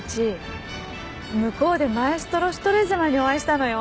向こうでマエストロシュトレーゼマンにお会いしたのよ。